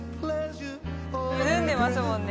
緩んでますもんね